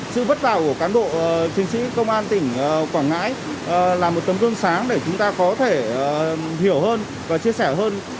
sự vất vả của cán bộ chiến sĩ công an tỉnh quảng ngãi là một tấm gương sáng để chúng ta có thể hiểu hơn và chia sẻ hơn